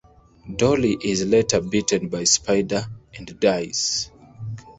Doli is later bitten by spider and dies.